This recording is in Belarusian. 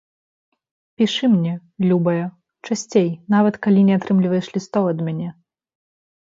Пішы мне, любая, часцей, нават калі не атрымліваеш лістоў ад мяне.